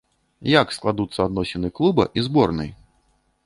Як складуцца адносіны клуба і зборнай?